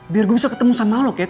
biar gue bisa ketemu sama lo